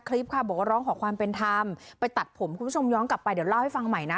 คลิปค่ะบอกว่าร้องขอความเป็นธรรมไปตัดผมคุณผู้ชมย้อนกลับไปเดี๋ยวเล่าให้ฟังใหม่นะ